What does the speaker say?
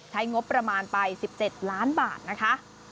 ใช้งบประมาณไป๑๗ล้านบาทนะคะ